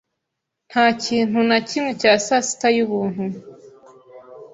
Nta kintu na kimwe cya sasita y'ubuntu.